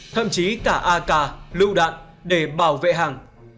thậm chí cả ak lưu đạn để bảo vệ hàng